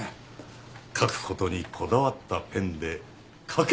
書くことにこだわったペンでかけるんるん。